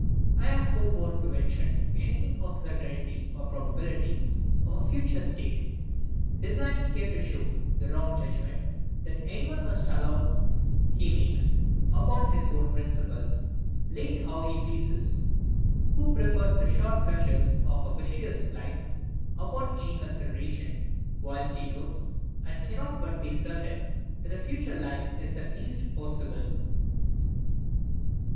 I have forborne to mention anything of the certainty or probability of a future state, designing here to show the wrong judgment that any one must allow he makes, upon his own principles, laid how he pleases, who prefers the short pleasures of a vicious life upon any consideration, whilst he knows, and cannot but be certain, that a future life is at least possible.